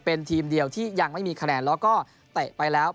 เป็นทีมเดียวที่ยังไม่มีคะแนนแล้วก็เตะไปแล้ว